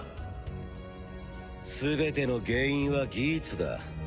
全ての原因はギーツだ。